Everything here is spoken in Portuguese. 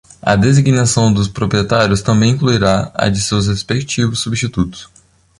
A designação dos proprietários também incluirá a de seus respectivos substitutos.